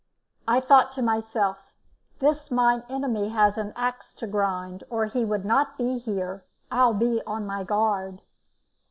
I thought to myself, "This mine enemy has an axe to grind, or he would not be here. I'll be on my guard."